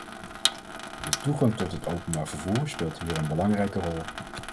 De toegang tot het openbaar vervoer speelt hier een belangrijke rol.